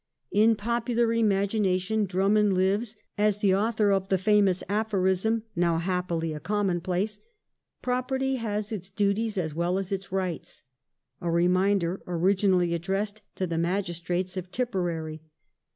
In popular imagination Drummond lives as the author of the famous aphorism, now happily a commonplace :Property has its duties as well as its rights "— a reminder origin ally addressed to the magistrates of Tipperary.